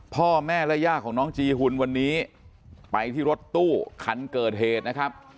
พ่อแม่และย่าของน้องจีหุ่นวันนี้ไปที่รถตู้คันเกิดเหตุนะครับ